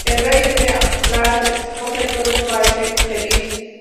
El rey la hace su esposa y todo parece feliz.